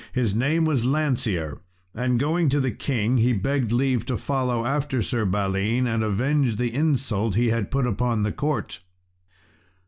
His name was Lancear; and going to the king, he begged leave to follow after Sir Balin and avenge the insult he had put upon the court.